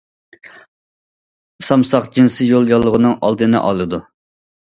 سامساق جىنسىي يول ياللۇغىنىڭ ئالدىنى ئالىدۇ.